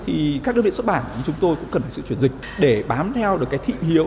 thì các đơn vị xuất bản thì chúng tôi cũng cần phải sự chuyển dịch để bám theo được cái thị hiếu